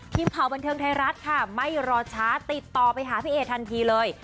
ทีมข่าวบันเทิงไทยรัฐค่ะไม่รอช้าติดต่อไปหาพี่เอทันทีเลย